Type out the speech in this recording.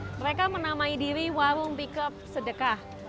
mereka menamai diri warung pickup sedekah